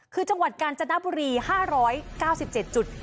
คือจังหวัดกาญจนบุรี๕๙๗จุด